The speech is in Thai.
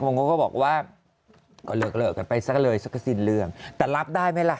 ผมก็บอกว่าก็เลิกเลิกกันไปซะเลยสักก็สิ้นเรื่องแต่รับได้ไหมล่ะ